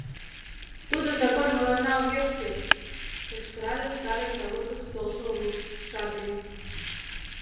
— Тудо закон мыланна огеш кӱл! — кычкырале Старый Завод гыч толшо руш, Шадрин.